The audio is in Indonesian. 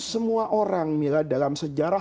semua orang mila dalam sejarah